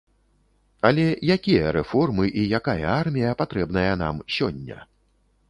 Але якія рэформы і якая армія патрэбная нам сёння?